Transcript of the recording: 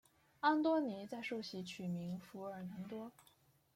安多尼在受洗取名福尔南多。